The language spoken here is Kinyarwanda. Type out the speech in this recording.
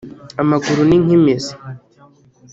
Amaguru ni nk’imizi